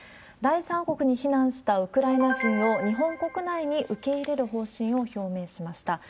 第三国に避難したウクライナ人を日本国内に受け入れる方針を表明しました。